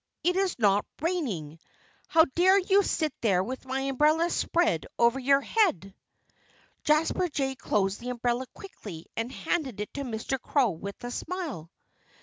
It's not raining. How dare you sit there with my umbrella spread over your head?" Jasper Jay closed the umbrella quickly and handed it to Mr. Crow with a smile.